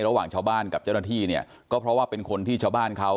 ระหว่างชาวบ้านกับเจ้าหน้าที่เนี่ยก็เพราะว่าเป็นคนที่ชาวบ้านเขา